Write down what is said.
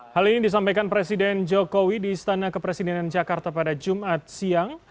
hal ini disampaikan presiden jokowi di istana kepresidenan jakarta pada jumat siang